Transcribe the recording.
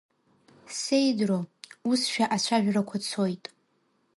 Сеидроу, усшәа ацәажәарақәа цоит.